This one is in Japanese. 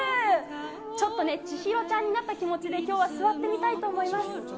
ちょっとね、千尋ちゃんになった気持ちできょうは座ってみたいと思います。